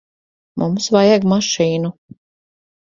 Mums vajag mašīnu.